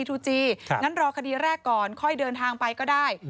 งั้นรอคดีแรกก่อนค่อยเดินทางไปก็ได้